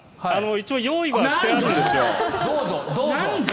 一応、用意はしてあるんですよ。